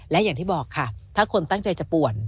และอย่างที่บอกค่ะถ้าคนตั้งใจจะป่วน